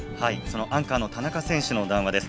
アンカーの田中選手の談話です。